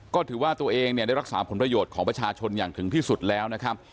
ก็ถือว่าตัวเองเนี่ยได้รักษาผลประโยชน์ของประชาชนอย่างถึงที่สุดแล้วนะครับ